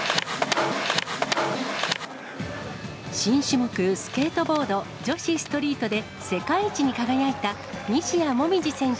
新種目、スケートボード女子ストリートで、世界一に輝いた、西矢椛選手